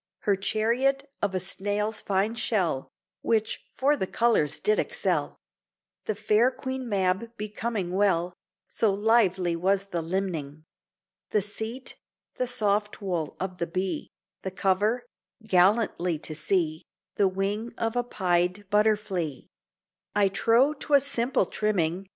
Her chariot of a snail's fine shell, Which for the colours did excel; The fair Queen Mab becoming well, So lively was the limning: The seat, the soft wool of the bee, The cover (gallantly to see) The wing of a pied butterflee; I trow 'twas simple trimming.